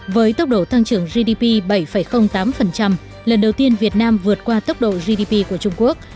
với tốc độ tăng trưởng gdp bảy tám lần đầu tiên việt nam vượt qua tốc độ gdp của trung quốc